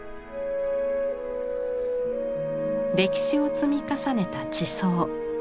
歴史を積み重ねた地層。